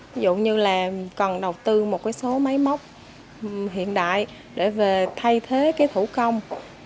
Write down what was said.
ví dụ như là cần đầu tư một số máy móc hiện đại để về thay thế thủ công